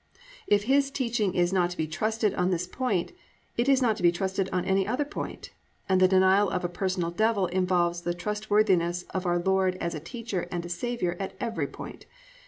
If His teaching is not to be trusted on this point, it is not to be trusted on any other point, and the denial of a personal Devil involves the trustworthiness of the Lord Jesus as a Teacher and a Saviour at every point.